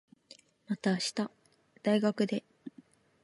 また明日、大学で。